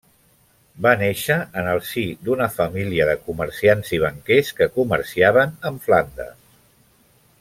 Va néixer en el si d'una família de comerciants i banquers que comerciaven amb Flandes.